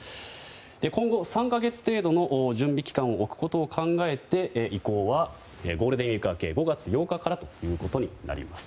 今後、３か月程度の準備期間を置くことを考えて移行はゴールデンウィーク明け５月８日からということになります。